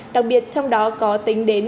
đặc biệt trong đó có tính đến